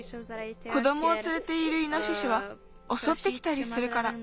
子どもをつれているイノシシはおそってきたりするから。